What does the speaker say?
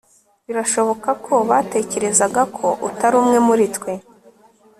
Birashoboka ko batekerezaga ko utari umwe muri twe